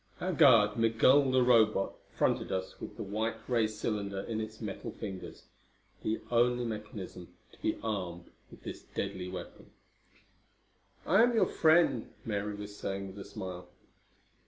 Our guard, Migul the Robot, fronted us with the white ray cylinder in its metal fingers the only mechanism to be armed with this deadly weapon. "I am your friend," Mary was saying with a smile.